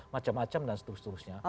macam macam dan seterusnya